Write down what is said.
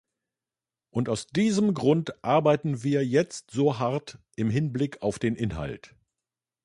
Und aus diesem Grund arbeiten wir jetzt so hart im Hinblick auf den Inhalt.